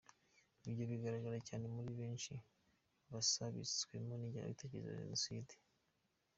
Ibyo bigaragara cyane muri benshi basabitswemo n’ingengabitekerezo ya Jenoside.